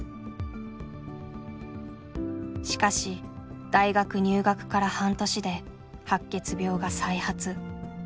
しかし大学入学から半年で白血病が再発。